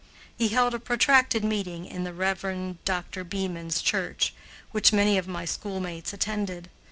He held a protracted meeting in the Rev. Dr. Beaman's church, which many of my schoolmates attended.